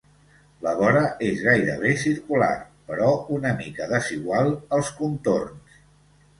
La vora és gairebé circular, però una mica desigual als contorns.